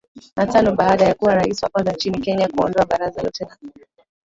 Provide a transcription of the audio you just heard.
na tano baada ya kuwa Rais wa kwanza nchini Kenya kuondoa baraza lote la